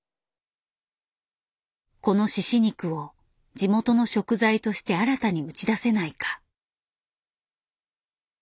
この猪肉を地元の食材として新たに打ち出せないか。